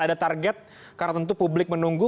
ada target karena tentu publik menunggu